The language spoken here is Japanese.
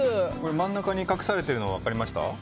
真ん中に隠されているのは分かりました？